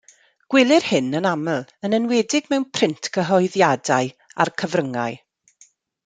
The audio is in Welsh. Gwelir hyn yn aml, yn enwedig mewn print, gyhoeddiadau, a'r cyfryngau.